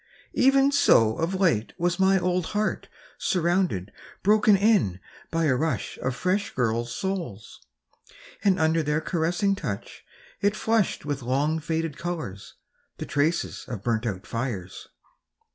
Even so of late was my old heart surrounded, broken in upon by a rush of fresh girls' souls ... and under their caressing touch it flushed with long faded colours, the traces of burnt out fires